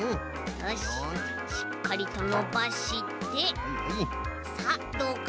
よししっかりとのばしてさあどうかな？